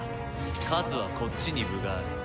数はこっちに分がある。